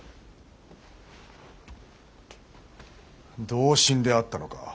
同心であったのか。